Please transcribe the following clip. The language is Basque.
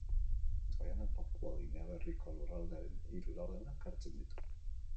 Oihanak Papua Ginea Berriko lurraldearen hiru laurdenak hartzen ditu.